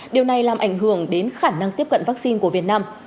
điều này làm ảnh hưởng đến khả năng tiếp cận vaccine của việt nam